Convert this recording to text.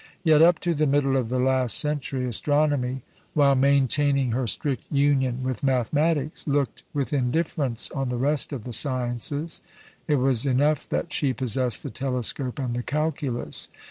Yet up to the middle of the last century, astronomy, while maintaining her strict union with mathematics, looked with indifference on the rest of the sciences; it was enough that she possessed the telescope and the calculus.